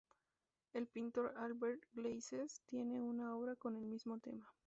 El pintor Albert Gleizes tiene una obra con el mismo tema.